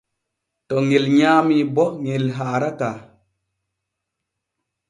To ŋel nyaami bo ŋel haarataa.